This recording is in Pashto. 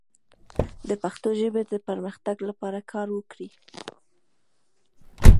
د پښتو ژبې د پرمختګ لپاره کار وکړئ.